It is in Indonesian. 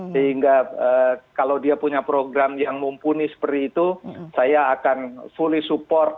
sehingga kalau dia punya program yang mumpuni seperti itu saya akan fully support